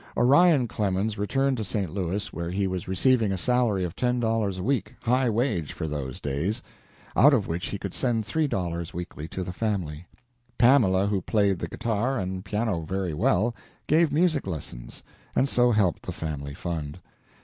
Orion Clemens returned to St. Louis, where he was receiving a salary of ten dollars a week high wage for those days out of which he could send three dollars weekly to the family. Pamela, who played the guitar and piano very well, gave music lessons, and so helped the family fund.